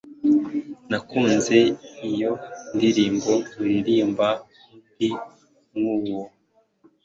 Nakunze iyo ndirimbo. Muririmbe undi nkuwo.